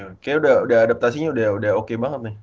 kayaknya udah adaptasinya udah oke banget nih